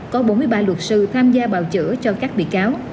có bốn mươi ba luật sư tham gia bào chữa cho các bị cáo